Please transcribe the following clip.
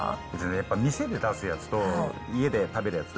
やっぱり店で出すやつと、家で食べるやつ？